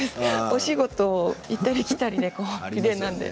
お仕事、行ったり来たりリレーなので。